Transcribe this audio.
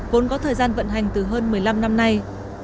vốn có thời gian vận hành từ hơn một mươi năm năm nay